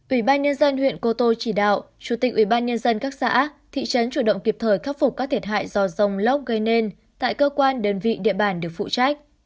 ủy ban nhân dân huyện cô tô chỉ đạo chủ tịch ubnd các xã thị trấn chủ động kịp thời khắc phục các thiệt hại do rông lốc gây nên tại cơ quan đơn vị địa bàn được phụ trách